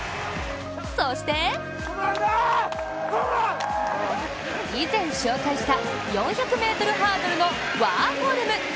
そして、以前紹介した４００ｍハードルのワーホルム。